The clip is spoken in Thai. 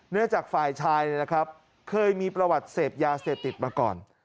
เนื่องจากฝ่ายชายเนี่ยนะครับเคยมีประวัติเสพยาเสพติดมาก่อน